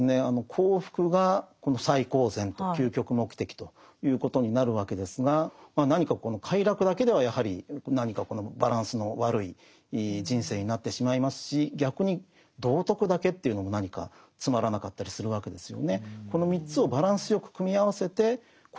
幸福が最高善と究極目的ということになるわけですが何かこの快楽だけではやはり何かこのバランスの悪い人生になってしまいますし逆に道徳だけというのも何かつまらなかったりするわけですよね。